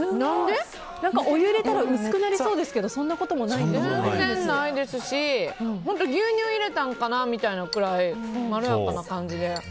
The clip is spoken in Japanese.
お湯を入れたら薄くなりそうですけど全然ないですし本当牛乳入れたんかなくらいまろやかな感じで。